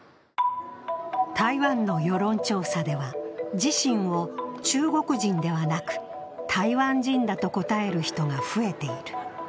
台湾の世論調査では、自身を中国人ではなく台湾人だと答える人が増えている。